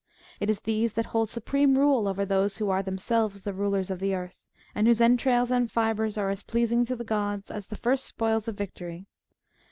It is these that hold supreme rule over those who are themselves the rulers of the earth, and whose entrails and fibres are as pleasing to the gods as the first spoils of victory.